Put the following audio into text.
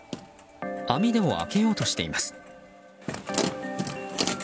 網戸を開けようとしています。